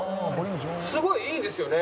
すごいいいですよね。